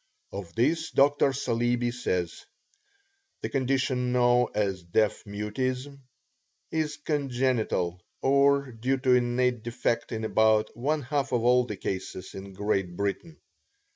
Of this Dr. Saleeby says: "The condition known as deaf mutism is congenital or due to innate defect in about one half of all the cases in Great Britain."